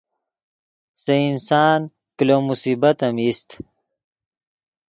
سے انسان کلو مصیبت ام ایست